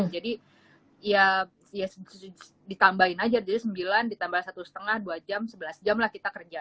jadi ya ditambahin aja jadi sembilan ditambah satu lima dua jam sebelas jam lah kita kerja